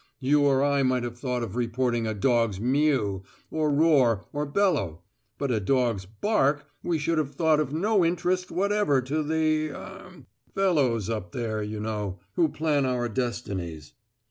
You or I might have thought of reporting a dog's mew, or roar, or bellow; but a dog's bark we should have thought of no interest whatever to the er fellows up there, you know, who plan our destinies."